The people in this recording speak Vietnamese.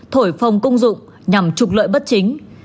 thổi phòng công dụng nhằm trục lợi bất chính